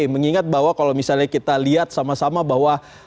mengingat bahwa kalau misalnya kita lihat sama sama bahwa